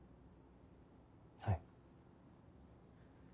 はい。